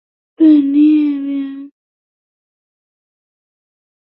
本列表为布基纳法索驻中华民国和中华人民共和国历任大使名录。